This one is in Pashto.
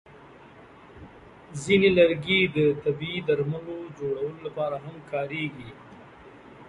ځینې لرګي د طبیعي درملو جوړولو لپاره هم کارېږي.